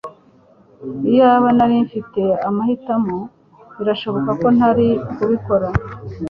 iyaba nari mfite amahitamo, birashoboka ko ntari kubikora